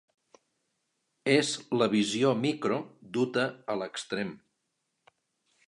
És la visió ‘micro’ duta a l’extrem.